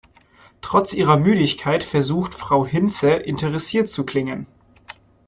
Trotz ihrer Müdigkeit versucht Frau Hinze, interessiert zu klingen.